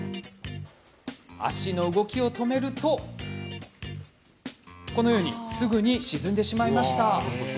足の動きを止めるとこのように、すぐに沈んでしまいました。